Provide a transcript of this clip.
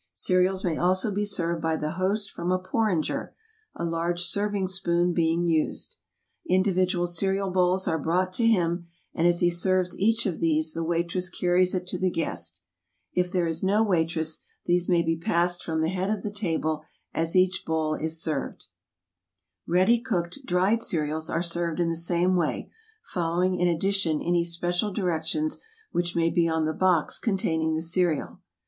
Cereals may also be served by the host from a porringer, a large serving spoon being used. Individual cereal bowls are brought to him, and as he serves each of these the waitress car ries it to the guest. If there is no waitress, these may be passed Greek motif from the head of the table as in design eacn bowl is served. Ready cooked, dried cereals are served in the same way, following in addition any special directions which may be on the box containing the cereal.